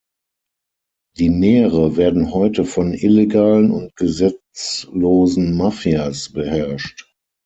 Die Meere werden heute von illegalen und gesetzlosen Mafias beherrscht.